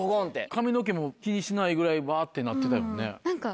髪の毛も気にしないぐらいワってなってたよね。